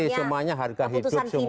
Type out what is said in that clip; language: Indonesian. semuanya harga hidup semua